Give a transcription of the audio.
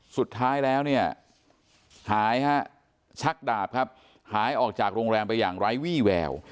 สุดท้ายแล้วเนี่ยหายฮะชักดาบครับหายออกจากโรงแรมไปอย่างไร้วี่แวว